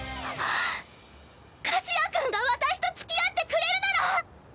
すぅ和也君が私とつきあってくれるなら！